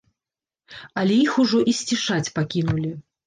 Але іх ужо і сцішаць пакінулі.